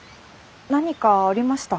何かありました？